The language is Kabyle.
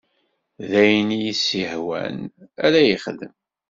D ayen i s-yehwan ara yexdem